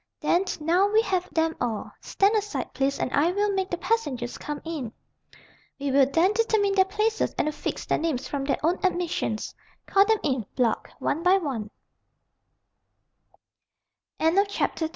"Then now we have them all. Stand aside, please, and I will make the passengers come in. We will then determine their places and affix their names from their own admissions. Call them in, Block, one by one."